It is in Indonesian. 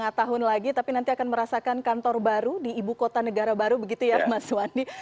lima tahun lagi tapi nanti akan merasakan kantor baru di ibu kota negara baru begitu ya mas wandi